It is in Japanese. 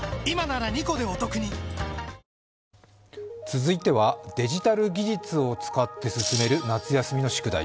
続いてはデジタル技術を使って進める夏休みの宿題